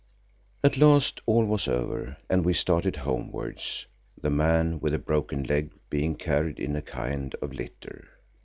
At last all was over and we started homewards, the man with a broken leg being carried in a kind of litter.